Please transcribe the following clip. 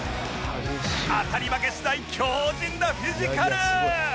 当たり負けしない強靱なフィジカル！